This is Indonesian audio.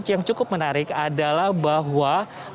yang cukup menarik adalah bahwa